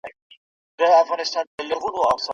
ډيپلوماسی د سولې تړونونه رامنځته کړي دي.